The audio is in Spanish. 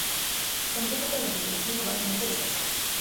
La mayor parte de la tripulación probablemente descansaba.